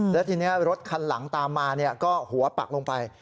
แล้วทีนี้รถคันหลังตามมาก็หัวปักลงไป